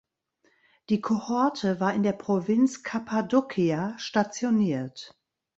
Die Kohorte war in der Provinz Cappadocia stationiert.